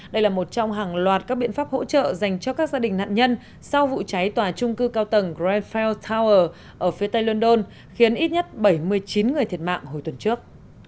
đây là một trong hàng loạt các biện pháp hỗ trợ dành cho các gia đình nạn nhân sau vụ cháy tòa trung cư cao tầng greenfell tower ở phía tây london khiến ít nhất bảy mươi chín người thiệt mạng hồi tuần trước